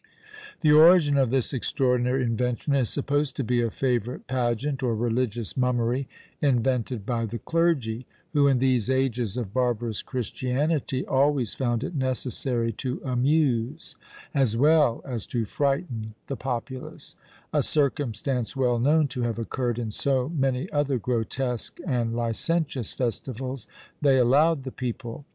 The origin of this extraordinary invention is supposed to be a favourite pageant, or religious mummery, invented by the clergy, who in these ages of barbarous Christianity always found it necessary to amuse, as well as to frighten the populace; a circumstance well known to have occurred in so many other grotesque and licentious festivals they allowed the people.